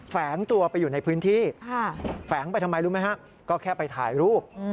แฝงตัวไปอยู่ในพื้นที่แฝงไปทำไมรู้ไหมฮะก็แค่ไปถ่ายรูป